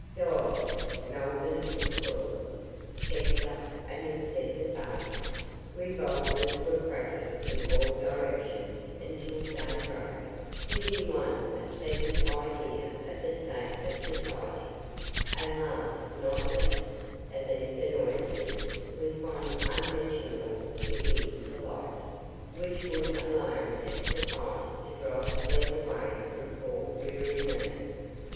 Dogs (Melbourne is full of them) kept up an incessant barking; revolvers were cracking in all directions until daybreak, giving one a pleasant idea of the state of society; and last, not least, of these annoyances was one unmentionable to ears polite, which would alone have sufficed to drive sleep away from poor wearied me.